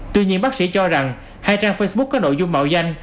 tuy nhiên bác sĩ cho rằng hai trang facebook có nội dung mạo danh